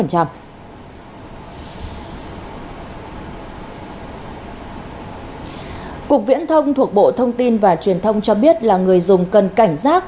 cục viễn thông thuộc bộ thông tin và truyền thông cho biết là người dùng cần cảnh giác